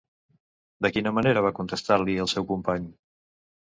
De quina manera va contestar-li el seu company?